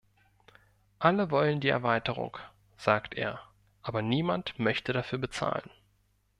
Alle wollen die Erweiterung, sagt er, aber niemand möchte dafür bezahlen.